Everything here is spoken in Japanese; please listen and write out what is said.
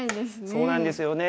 そうなんですよね。